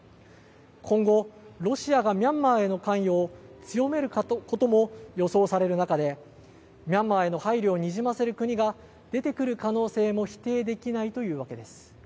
今後ロシアがミャンマーへの関与を強めることも予想される中でミャンマーへの配慮をにじませる国が出てくる可能性も否定できないというわけです。